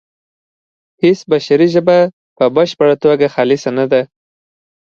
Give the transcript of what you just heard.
هیڅ بشري ژبه په بشپړه توګه خالصه نه ده